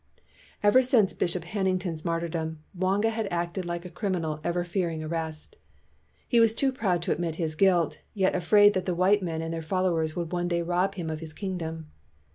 Ever since Bishop Hannington's martyr dom, Mwanga had acted like a criminal ever fearing arrest. He was too proud to admit his guilt, yet afraid that the white men and their followers would one day rob him of 232 STURDY BLACK CHRISTIANS his kingdom.